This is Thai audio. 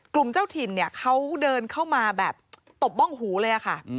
กลุ่มเจ้าถิ่นเขาเดินเข้ามาแบบตบป้องหูเลยค่ะ